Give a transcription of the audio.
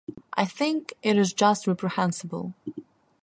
I think it is just reprehensible.